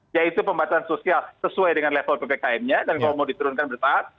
yaitu pembatasan sosial sesuai dengan level ppkm nya dan kalau mau diturunkan bertahap